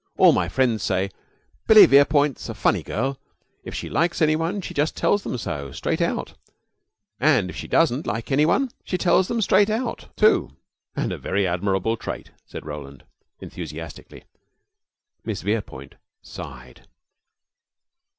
All my friends say, 'Billy Verepoint's a funny girl: if she likes any one she just tells them so straight out; and if she doesn't like any one she tells them straight out, too.'" "And a very admirable trait," said Roland, enthusiastically. Miss Verepoint sighed.